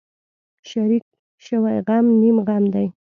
شریک شوی غم نیم غم دی.